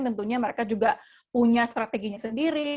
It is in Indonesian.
tentunya mereka juga punya strateginya sendiri